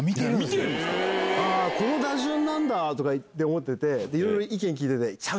この打順なんだ！とか思ってていろいろ意見聞いてて。